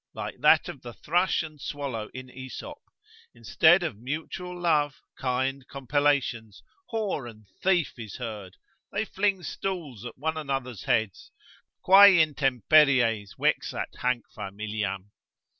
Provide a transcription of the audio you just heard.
Like that of the thrush and swallow in Aesop, instead of mutual love, kind compellations, whore and thief is heard, they fling stools at one another's heads. Quae intemperies vexat hanc familiam?